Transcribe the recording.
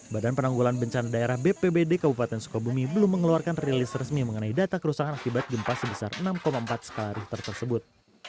badan penanggulan bencana daerah bpbd kabupaten sukabumi belum mengeluarkan rilis resmi mengenai data kerusakan akibat gempa sebesar enam empat skala richter tersebut